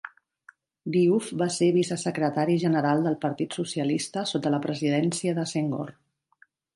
Diouf va ser vicesecretari general del Partit Socialista sota la presidència de Senghor.